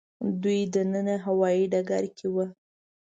دوی دننه هوايي ډګر کې وو.